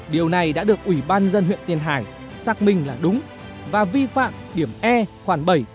điều này đã được ủy ban dân huyện tiền hải xác minh là đúng và vi phạm điểm e khoảng bảy